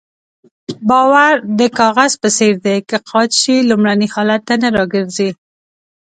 باور د کاغذ په څېر دی که قات شي لومړني حالت ته نه راګرځي.